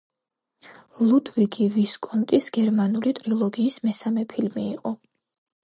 ლუდვიგი ვისკონტის გერმანული ტრილოგიის მესამე ფილმი იყო.